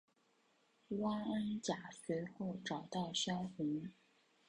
汪恩甲随后找到萧红。